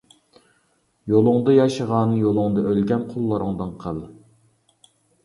يولۇڭدا ياشىغان، يولۇڭدا ئۆلگەن قۇللىرىڭدىن قىل.